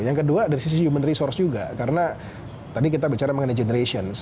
yang kedua dari sisi human resource juga karena tadi kita bicara mengenai generations